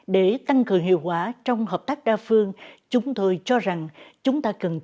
để tăng cường hiệu quả trong hợp tác đa phương chúng tôi cho rằng